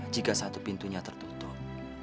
jika satu pintunya tertutup